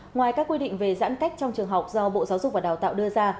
ngoài các quy định về giãn cách trong trường học do bộ giáo dục và đào tạo đưa ra